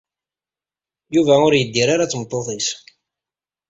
Yuba ur yeddir ara d tmeṭṭut-is.